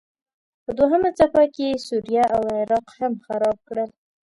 په دوهمه څپه کې یې سوریه او عراق هم خراب کړل.